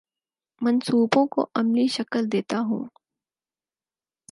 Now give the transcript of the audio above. منصوبوں کو عملی شکل دیتا ہوں